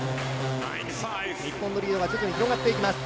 日本のリードが徐々に広がっていきます。